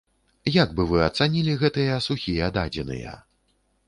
Як бы вы ацанілі гэтыя сухія дадзеныя?